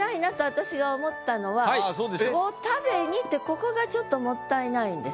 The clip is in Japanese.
私が思ったのは「を食べに」ってここがちょっともったいないんです。